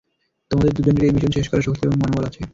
তোমাদের দুজনেরই এই মিশন শেষ করার শক্তি এবং মনোবল আছে।